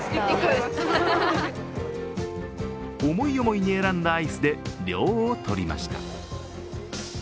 思い思いに選んだアイスで涼を取りました。